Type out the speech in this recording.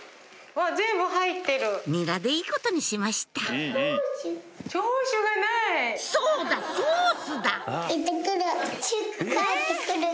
ニラでいいことにしましたそうだソースだ！